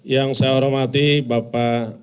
yang saya hormati bapak